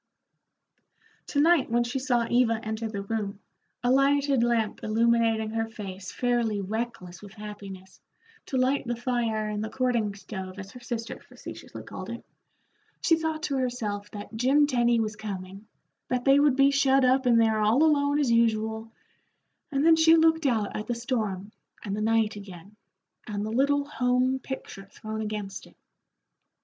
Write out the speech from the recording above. To night when she saw Eva enter the room, a lighted lamp illuminating her face fairly reckless with happiness, to light the fire in the courting stove as her sister facetiously called it, she thought to herself that Jim Tenny was coming, that they would be shut up in there all alone as usual, and then she looked out at the storm and the night again, and the little home picture thrown against it.